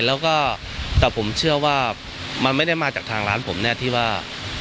แล้วก็แต่ผมเชื่อว่ามันไม่ได้มาจากทางร้านผมแน่ที่ว่า